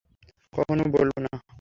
কখনো বলবো না।